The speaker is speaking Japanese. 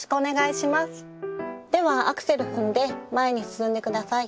ではアクセル踏んで前に進んで下さい。